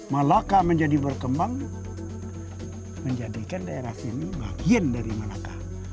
malaka menjadi berkembang menjadikan daerah sini bagian dari malaka